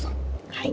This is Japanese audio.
はい。